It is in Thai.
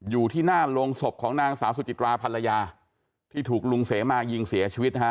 อยู่ที่หน้าโรงศพของนางสาวสุจิตราภรรยาที่ถูกลุงเสมายิงเสียชีวิตนะฮะ